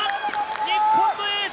日本のエース！